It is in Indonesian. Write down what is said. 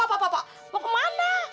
eh pok pok pok mau ke mana